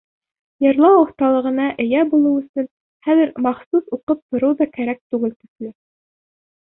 Йырлау оҫталығына эйә булыу өсөн хәҙер махсус уҡып тороу ҙа кәрәк түгел төҫлө.